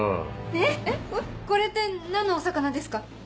えっこれって何のお魚ですか？